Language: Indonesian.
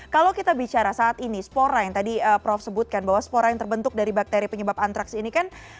kalau kita bicara saat ini spora yang tadi prof sebutkan bahwa spora yang terbentuk dari bakteri penyebab antraks ini kan